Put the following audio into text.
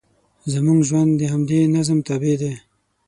زموږ ژوند د همدې نظم تابع دی.